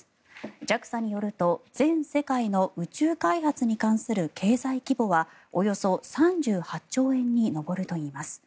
ＪＡＸＡによると、全世界の宇宙開発に関する経済規模はおよそ３８兆円に上るといいます。